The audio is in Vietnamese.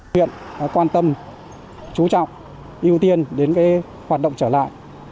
huyện quan tâm chú trọng ưu tiên đến hoạt động trở lại